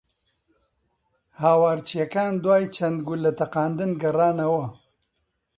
هاوارچییەکان دوای چەند گوللە تەقاندن گەڕانەوە